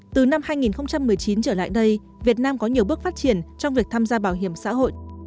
từ năm hai nghìn một mươi chín trở lại đây việt nam có nhiều bước phát triển trong việc tham gia bảo hiểm xã hội